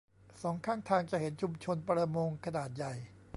สองข้างทางจะเห็นชุมชนประมงขนาดใหญ่